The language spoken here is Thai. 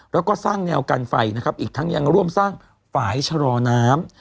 แล้วก็สร้างแนวกันไฟนะครับอีกทั้งยังร่วมสร้างฝ่ายชะลอน้ำ